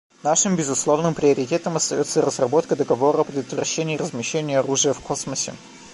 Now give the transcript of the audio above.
Нашим безусловным приоритетом остается разработка договора о предотвращении размещения оружия в космосе.